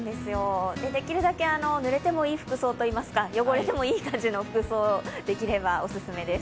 できるだけぬれてもいい服装といいますか汚れてもいい感じの服装できれば、おすすめです。